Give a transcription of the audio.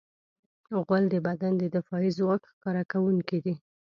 غول د بدن د دفاعي ځواک ښکاره کوونکی دی.